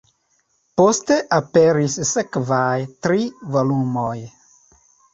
Poste aperis sekvaj tri volumoj.